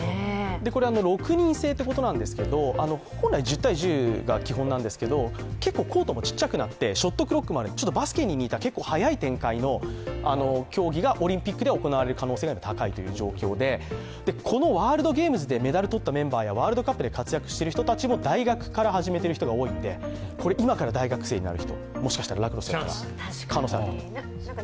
６人制ということなんですが、本来１０対１０が基本ということなんですが、コートが小さくなっていてショットクロックまで、バスケに似た展開の競技がオリンピックで行われる可能性が高いということでこのワールドゲームズでメダルを取ったメンバーやワールドカップのメンバーも大学から始めた人が多いので今から大学生になる人、もしかしたらラクロス、可能性があるかもしれません。